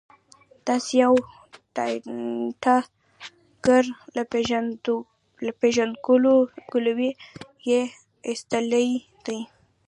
داسې یې ټانټه کړ، له پېژندګلوۍ یې ایستلی دی.